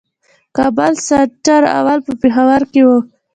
کابل سېنټر اول په پېښور کښي وو.